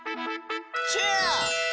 チェア！